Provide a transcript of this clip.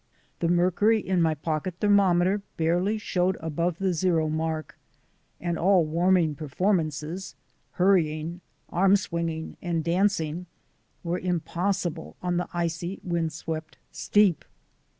The mercury in my pocket thermome ter barely showed above the zero mark, and all warming performances — hurrying, arm swinging, and dancing — were impossible on the icy, wind swept steep.